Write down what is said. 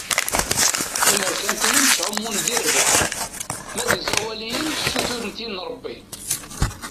Imerkantiyen ttɛumun di rrbeḥ, ma d iẓawaliyen suturen tin n Ṛebbi.